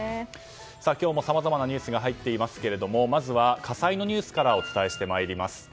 今日もさまざまなニュースが入っていますけれどもまずは火災のニュースからお伝えします。